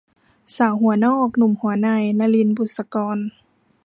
สาวหัวนอกหนุ่มหัวใน - นลิน บุษกร